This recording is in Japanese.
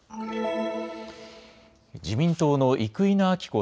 自民党の生稲晃子